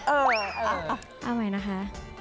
เอาใหม่นะคะ๑๒๓